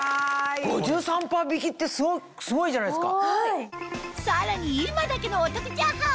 ５３％引きってすごいじゃないですか。